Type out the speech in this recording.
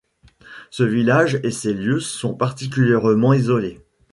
Ce village et ces lieux sont particulièrement isolés.